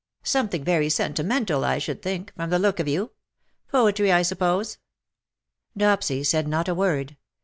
" Some thing very sentimental, I should think, from the look of you. Poetry, I suppose/^ Dopsy said not a word.